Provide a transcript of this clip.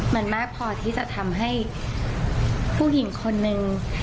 มันมากพอที่จะทำให้ผู้หญิงคนนึง